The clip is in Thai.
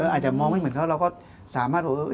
อาจจะมองไม่เหมือนเขาเราก็สามารถ